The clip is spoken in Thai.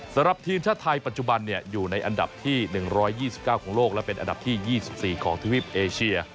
สำหรับทีมชาติไทยปัจจุบันอยู่ในอันดับที่๑๒๙ของโลกและเป็นอันดับที่๒๔ของทวีปเอเชีย